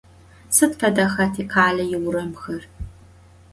Sıd fedexa tikhale yiuramxer?